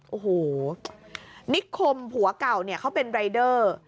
โอ้โหนิคมผัวเก่าเนี่ยเขาเป็นรายเดอร์